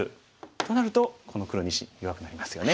となるとこの黒２子弱くなりますよね。